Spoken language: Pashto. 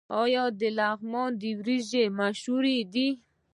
آیا د لغمان وریجې مشهورې دي؟